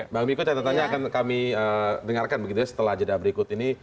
bang mikko catatannya akan kami dengarkan setelah jeda berikut ini